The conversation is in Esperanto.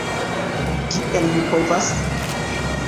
Kiel mi povas?